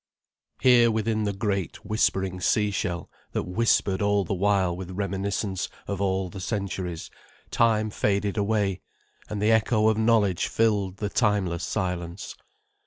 Here, within the great, whispering sea shell, that whispered all the while with reminiscence of all the centuries, time faded away, and the echo of knowledge filled the timeless silence.